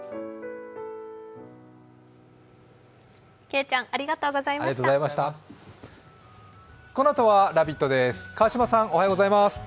けいちゃん、ありがとうございました。